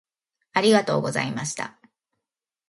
ありがとうございました。